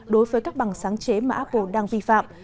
đối với các bằng sáng chế mà apple đang vi phạm